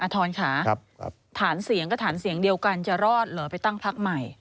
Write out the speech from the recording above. ทรค่ะฐานเสียงก็ฐานเสียงเดียวกันจะรอดเหรอไปตั้งพักใหม่